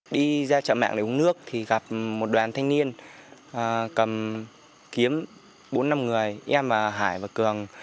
đi ra chợ mạng để uống nước thì gặp một đoàn thanh niên cầm kiếm bốn năm người em và hải và cường